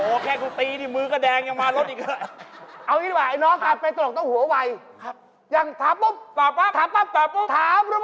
แค่กูตีนี่มือก็แดงยังมารถอีก